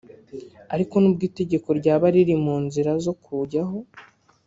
Ariko nubwo itegeko ryaba riri mu nzira zo kujyaho